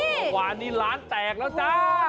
เมื่อวานนี้ร้านแตกแล้วจ้า